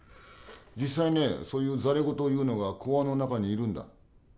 実際ねそういう戯言を言うのが公安の中にいるんだ。